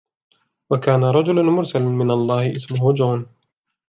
وكان رجل مرسل من الله اسمه جون.